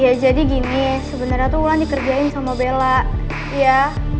ya jadi gini sebenarnya tuh wulan dikerjain sama bella ya